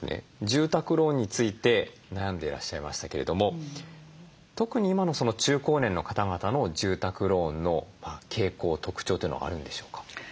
住宅ローンについて悩んでいらっしゃいましたけれども特に今の中高年の方々の住宅ローンの傾向特徴というのはあるんでしょうか？